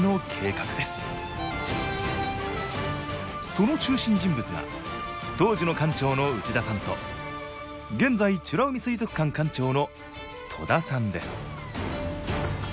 その中心人物が当時の館長の内田さんと現在美ら海水族館館長の戸田さんです